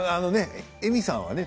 えみさんはね